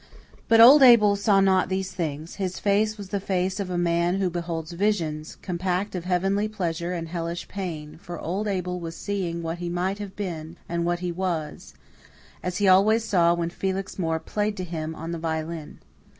But old Abel saw not these things; his face was the face of a man who beholds visions, compact of heavenly pleasure and hellish pain, for old Abel was seeing what he might have been and what he was; as he always saw when Felix Moore played to him on the violin.